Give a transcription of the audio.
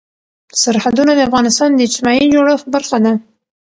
سرحدونه د افغانستان د اجتماعي جوړښت برخه ده.